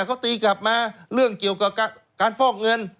เขาตีกลับมาเรื่องเกี่ยวกับการฟอกเงิน